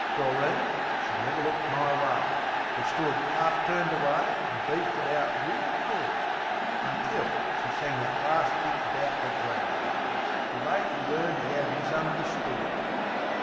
Doreen she never looked my way; but stood 'Arf turned away, an' beefed it out reel good, Until she sang that bit about the grave; "Too late 'e learned 'e 'ad misunderstood!"